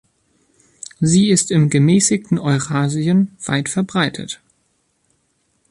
Sie ist im gemäßigten Eurasien weitverbreitet.